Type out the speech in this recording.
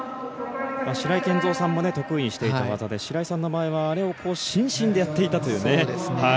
白井健三さんも得意にしていた技で白井さんの場合はあれを伸身でやっていたというね。